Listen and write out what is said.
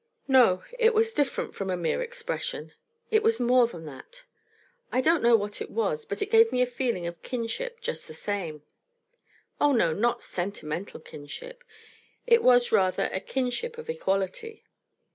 No; it was different from a mere expression; it was more than that. I don't know what it was, but it gave me a feeling of kinship just the same. Oh, no, not sentimental kinship. It was, rather, a kinship of equality.